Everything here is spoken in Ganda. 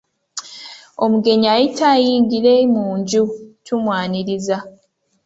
Omugenyi ayita ayingire mu nju tumwaniriza.